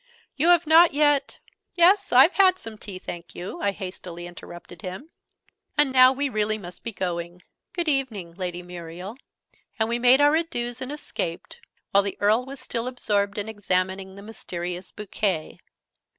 "You have not yet ' "Yes, I've had some tea, thank you!" I hastily interrupted him. "And now we really must be going. Good evening, Lady Muriel!" And we made our adieux, and escaped, while the Earl was still absorbed in examining the mysterious bouquet.